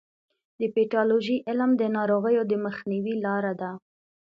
د پیتالوژي علم د ناروغیو د مخنیوي لاره ده.